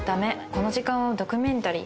この時間はドキュメンタリー